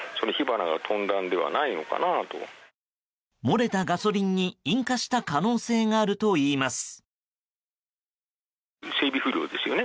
漏れたガソリンに引火した可能性があるといいます。